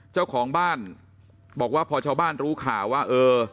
เจ้าของบ้านบอกว่าพอชาวบ้านรู้ข่าวว่าเออ